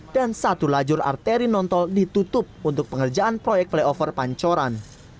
dan satu lajur arteri nontol ditutup untuk pengerjaan proyek flyover pancuran